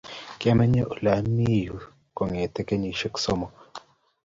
Kiameny ole ami yu kongete kenyisiek somok